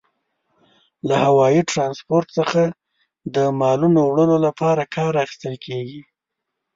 له هوايي ترانسپورت څخه د مالونو وړلو لپاره کار اخیستل کیږي.